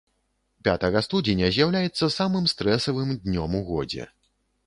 Пятага студзеня з'яўляецца самым стрэсавым днём у годзе.